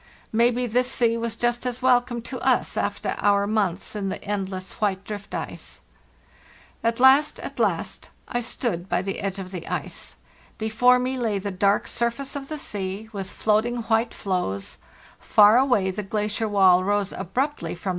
Maybe this sea was just as welcome to us after our months in the endless white drift ice. " At last, at last, I stood by the edge of the ice. Be fore me lay the dark surface of the sea, with floating white floes; far away the glacier wall rose abruptly from oht.